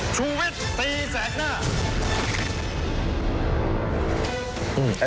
ชูวิทย์ตีแสกหน้า